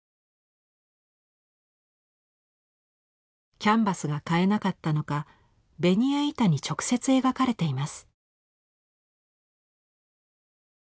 キャンバスが買えなかったのかベニヤ板に直接描かれています。